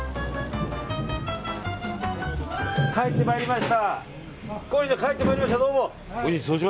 帰ってまいりました。